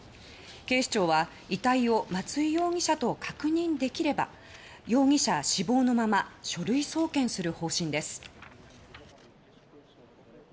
警視庁は遺体を松井容疑者と確認できれば容疑者死亡で書類送検する方針です。